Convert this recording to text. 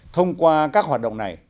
thông qua các hoạt động